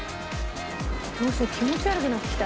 どうしよう気持ち悪くなってきた。